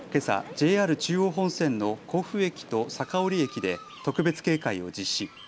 ＪＲ中央本線の甲府駅と酒折駅で特別警戒を実施。